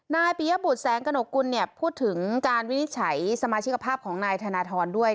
ปียบุตรแสงกระหนกกุลเนี่ยพูดถึงการวินิจฉัยสมาชิกภาพของนายธนทรด้วย